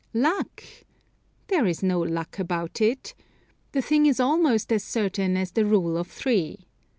Luck! There is no luck about it. The thing is almost as certain as the "rule of three."